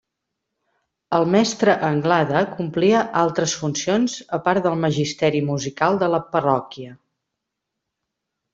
El mestre Anglada complia altres funcions a part del magisteri musical de la parroquial.